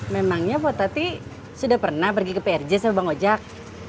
memangnya pak tati sudah pernah pergi ke prj sama bang ojek